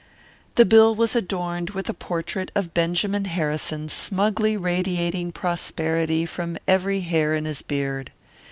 The bill was adorned with a portrait of Benjamin Harrison smugly radiating prosperity from every hair in his beard.